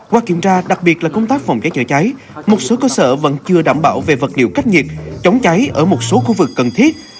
qua kiểm tra đặc biệt là công tác phòng cháy chữa cháy một số cơ sở vẫn chưa đảm bảo về vật liệu cách nhiệt chống cháy ở một số khu vực cần thiết